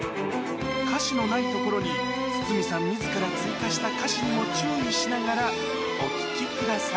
歌詞のないところに、筒美さんみずから追加した歌詞にも注意しながらお聴きください。